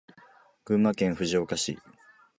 群馬県藤岡市